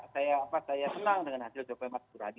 senang dengan hasil jokowi masjidurani